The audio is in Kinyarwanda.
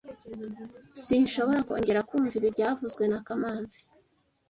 Sinshobora kongera kumva ibi byavuzwe na kamanzi